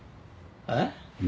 えっ？